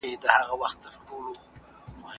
ښوونه او روزنه د ټولني ستنې دي.